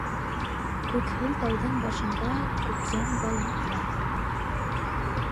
Күкһел тауҙың башында Күкйән балам илайҙыр.